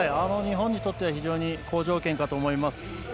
日本にとっては非常に好条件かと思います。